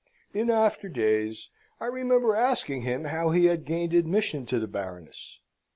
In after days I remember asking him how he had gained admission to the Baroness?